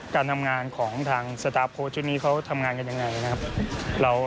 การทำงานของทางสตาร์ฟโค้ชชุดนี้เขาทำงานกันยังไงนะครับ